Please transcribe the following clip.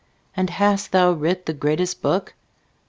"And hast thou writ the greatest book?